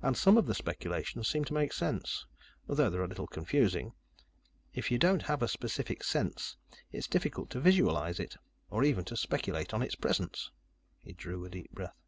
And some of the speculations seem to make sense though they're a little confusing. If you don't have a specific sense, it's difficult to visualize it, or even to speculate on its presence." He drew a deep breath.